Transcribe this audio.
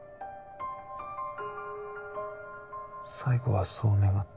最後はそう願って